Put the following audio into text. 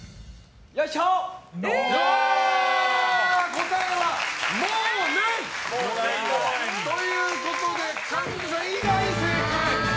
答えは、もうない！ということで神田さん以外、正解！